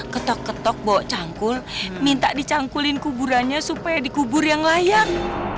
ketok ketok bawa cangkul minta dicangkulin kuburannya supaya dikubur yang layak